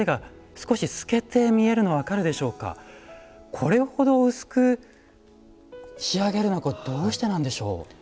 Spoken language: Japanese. これほど薄く仕上げるのはどうしてなんでしょう？